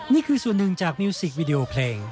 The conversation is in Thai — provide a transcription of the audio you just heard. นี่คือส่วนหนึ่งจากมิวสิกวิดีโอเพลง